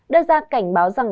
đưa ra cảnh báo rằng